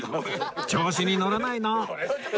調子にのらないの！